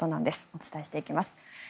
お伝えしていきます。